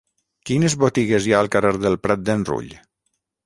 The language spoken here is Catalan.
Quines botigues hi ha al carrer del Prat d'en Rull?